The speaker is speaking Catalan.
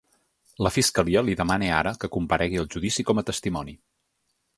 La fiscalia li demana ara que comparegui al judici com a testimoni.